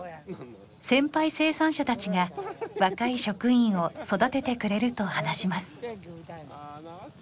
先輩生産者たちが若い職員を育ててくれると話します。